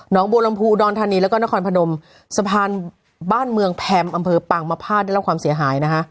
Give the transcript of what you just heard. บัวลำพูดอนธานีแล้วก็นครพนมสะพานบ้านเมืองแพมอำเภอปางมภาษได้รับความเสียหายนะคะ